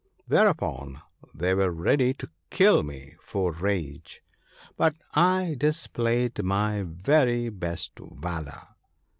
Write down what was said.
Thereupon they were ready to kill me for rage ; but I displayed my very best valour.